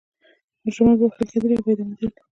مجرمان به وهل کېدل یا به اعدامېدل.